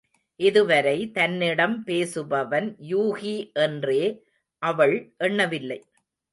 இதுவரை தன்னிடம் பேசுபவன் யூகி என்றே அவள் எண்ணவில்லை.